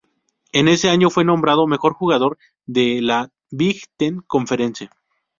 Ese año fue nombrado mejor jugador de la Big Ten Conference.